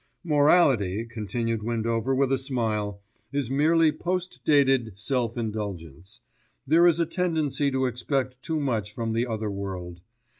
"Morality," continued Windover with a smile, "is merely post dated self indulgence. There is a tendency to expect too much from the other world.